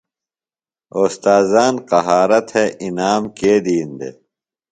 اوستاذان قہارہ تھےۡ انعام کے دِین دےۡ؟